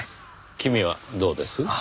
君はどうです？